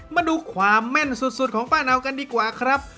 มาดูความแม่นสุดของป้าเนากันดีกว่าครับ